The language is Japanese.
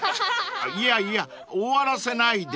［いやいや終わらせないで］